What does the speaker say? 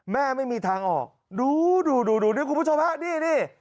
แม่ไม่มีทางออกดูดูดูดูนี่คุณผู้ชมฮะนี่นี่